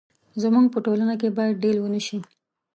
زموږ په ټولنه کې باید ډيل ونه شي.